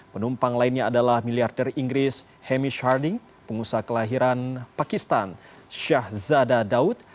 penumpang lainnya adalah miliarder inggris hamish harding pengusaha kelahiran pakistan shahzada daud